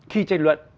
khi tranh luận